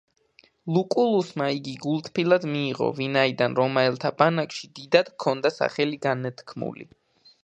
ლუკულუსმა იგი გულთბილად მიიღო, ვინაიდან რომაელთა ბანაკში დიდად ჰქონდა სახელი განთქმული.